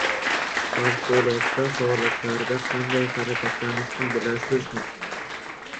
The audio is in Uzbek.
Favqulodda holatlarda qanday harakatlanishni bilasizmi?